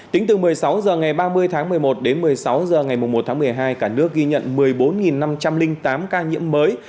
tính từ một mươi sáu h ngày ba mươi tháng một mươi một đến một mươi sáu h ngày một tháng một mươi hai cả nước ghi nhận một mươi bốn năm trăm linh tám ca nhiễm mới